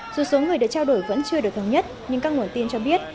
dù số người được trao đổi vẫn chưa được thống nhất nhưng các nguồn tin cho biết